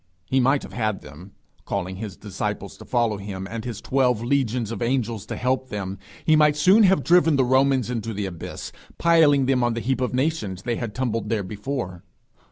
He might have had them. Calling his disciples to follow him, and his twelve legions of angels to help them, he might soon have driven the Romans into the abyss, piling them on the heap of nations they had tumbled there before.